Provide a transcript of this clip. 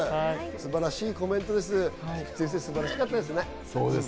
素晴らしいコメントです。